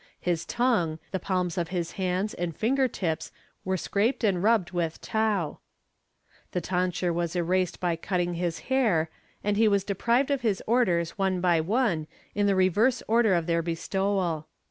His tongue, the palms of his hands and finger tips were scraped and rubbed with tow, the tonsure was erased by cutting his hair and he was deprived of his orders one by one in the reverse order of their bestowal.